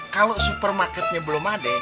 kalo supermarketnya belum ada